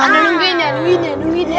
anda nungguin ya nungguin ya nungguin ya